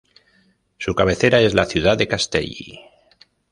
Su cabecera es la ciudad de Castelli.